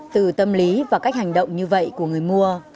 từ tâm lý và cách hành động như vậy của người mua